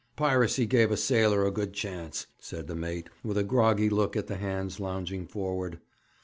'Piracy gave a sailor a good chance,' said the mate, with a groggy look at the hands lounging forward.